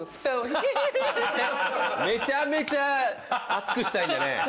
めちゃめちゃ厚くしたいんだね